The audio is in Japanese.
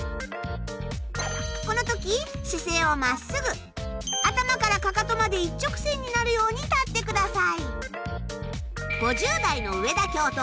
この時姿勢を真っすぐ頭からかかとまで一直線になるように立ってください。